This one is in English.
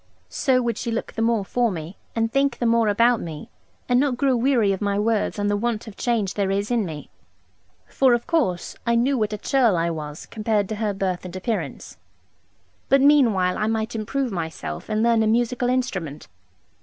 So would she look the more for me and think the more about me, and not grow weary of my words and the want of change there is in me. For, of course, I knew what a churl I was compared to her birth and appearance; but meanwhile I might improve myself and learn a musical instrument.